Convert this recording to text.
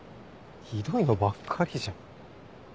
ひどいのばっかりじゃん。